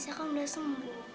nisa kan udah sembuh